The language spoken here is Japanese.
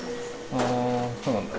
はぁ、そうなんだ。